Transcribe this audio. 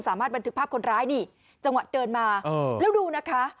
สามารถบันทึกภาพคนร้ายจังหวัดเดินมาแล้วดูนะคะ